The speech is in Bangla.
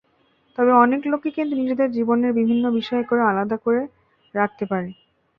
তবে অনেক লোকই কিন্তু নিজেদের জীবনের বিভিন্ন বিষয় করে আলাদা রাখতে পারে।